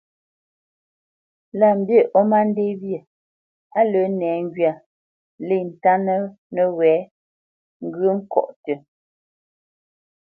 Lâ mbî ó má ndê wyê, á lə́ nɛŋgywa lê ntánə́ nəwɛ̌ ŋgyə̂ ŋkɔ̌ tʉ́,